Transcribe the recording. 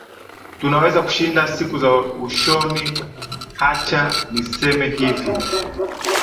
tunaweza kushinda siku za ushoni hacha niseme hivi